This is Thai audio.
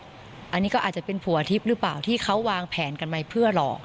อันนี้ก็อาจจะเป็นผัวทิพย์หรือเปล่าที่เขาวางแผนกันไว้เพื่อหลอก